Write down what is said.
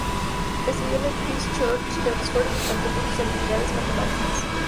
Estudió en el Christ Church de Oxford y destacó por sus habilidades matemáticas.